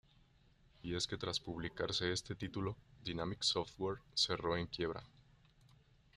Y es que tras publicarse este título, Dinamic Software cerró en quiebra.